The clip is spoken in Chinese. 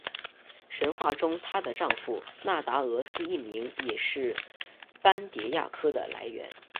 神话中她的丈夫达那俄斯一名也是斑蝶亚科的来源。